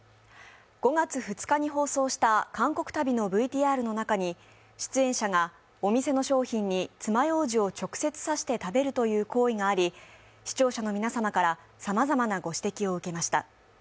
５月２日に放送した韓国旅のＶＴＲの中に出演者がお店の商品につまようじを直接刺して食べる行為があり視聴者の皆様からさまざまなご指摘を受けました。